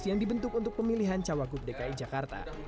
yang dibentuk untuk pemilihan cawagup dki jakarta